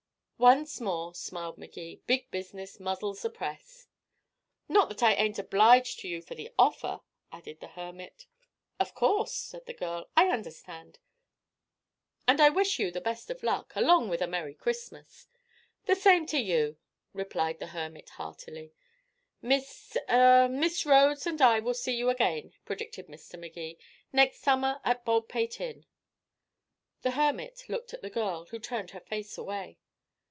"Once more," smiled Magee, "big business muzzles the press." "Not that I ain't obliged to you for the offer," added the hermit. "Of course," said the girl, "I understand. And I wish you the best of luck along with a merry Christmas." "The same to you," replied the hermit heartily. "Miss er Miss Rhodes and I will see you again," predicted Mr. Magee, "next summer at Baldpate Inn." The hermit looked at the girl, who turned her face away.